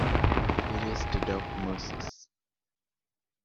It is the dog Moses.